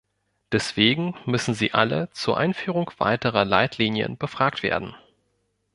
Deswegen müssen sie alle zur Einführung weiterer Leitlinien befragt werden.